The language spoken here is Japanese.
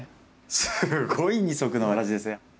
すごい二足のわらじですね。